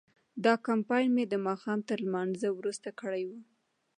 دا کمپاین مې د ماښام تر لمانځه وروسته کړی و.